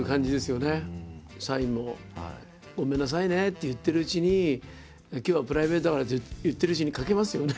サインも「ごめんなさいね」って言ってるうちに「今日はプライベートだから」って言ってるうちに書けますよね。